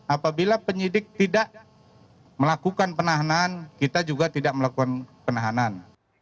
apabila penyidik tidak melakukan penahanan kita juga tidak melakukan penahanan